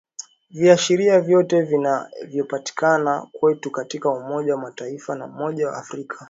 Viashiria vyote vinavyopatikana kwetu katika umoja wa Mataifa na umoja wa africa